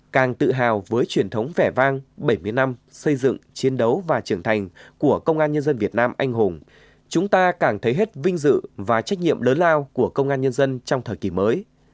càng tự hào với truyền thống vẻ vang bảy mươi năm xây dựng chiến đấu và trưởng thành của công an nhân dân việt nam anh hùng chúng ta càng thấy hết vinh dự và trách nhiệm lớn lao của công an nhân dân trong thời kỳ mới